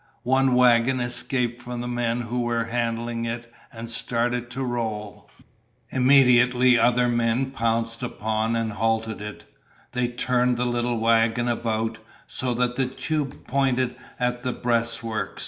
One wagon escaped from the men who were handling it and started to roll. Immediately other men pounced upon and halted it. They turned the little wagon about, so that the tube pointed at the breastworks.